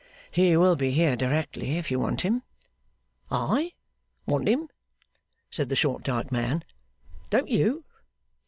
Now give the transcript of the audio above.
'He will be here directly, if you want him.' 'I want him?' said the short dark man. 'Don't you?